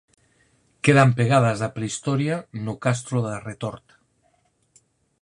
Quedan pegadas da prehistoria no castro da Retorta.